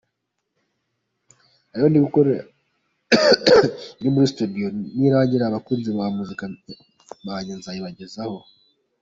Hari iyo ndi gukora iri muri Studio nirangira abakunzi ba muzika yanjye nzayibagezaho.